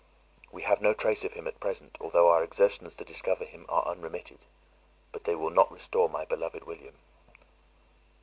We have no trace of him at present, although our exertions to discover him are unremitted; but they will not restore my beloved William!